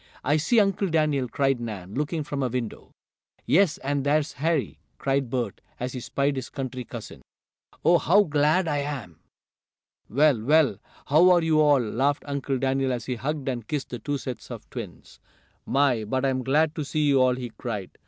"I see Uncle Daniel!" cried Nan, looking from a window. "Yes, and there's Harry!" cried Bert, as he spied his country cousin. "Oh, how glad I am!" "Well, well! How are you all!" laughed Uncle Daniel as he hugged and kissed the two sets of twins. "My, but I'm glad to see you all!" he cried.